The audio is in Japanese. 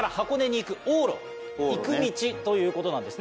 行く道ということなんですね。